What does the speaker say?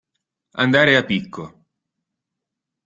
Andare a picco.